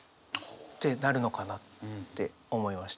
ってなるのかなって思いました。